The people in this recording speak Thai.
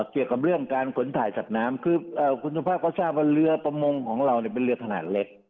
เกี่ยวกับเรื่องการขนถ่ายสัตว์น้ำคือคุณสุภาพก็ทราบว่าเรือประมงของเราเป็นเรือขนาดเล็ก